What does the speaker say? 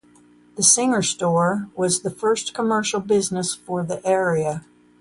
The Singer Store was the first commercial business for the area.